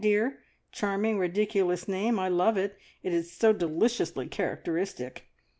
Dear, charming, ridiculous name I love it, it is so deliciously characteristic!)